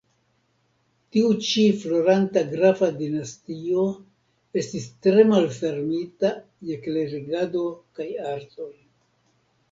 Tiu ĉi floranta grafa dinastio estis tre malfermita je klerigado kaj artoj.